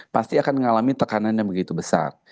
pasti akan mengalami tekanan yang begitu besar